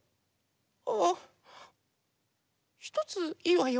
ああひとついいわよ。